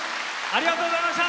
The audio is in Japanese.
ありがとうございます！